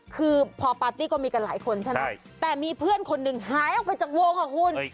คือพอปาร์ตี้ก็มีกันหลายคนใช่ไหมแต่มีเพื่อนคนหนึ่งหายออกไปจากวงค่ะคุณ